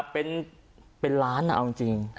เป็นล้านเอาจริง